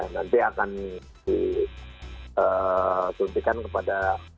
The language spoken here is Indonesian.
nanti akan dituntikan kepada orang